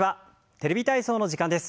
「テレビ体操」の時間です。